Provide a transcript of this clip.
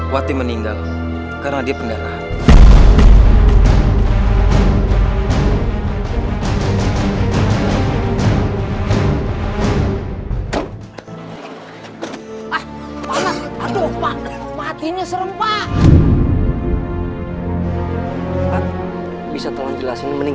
watim meninggal karena dia pendarahan